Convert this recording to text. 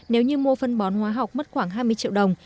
nếu như mua phân bón hóa học mất khoảng hai mươi triệu đồng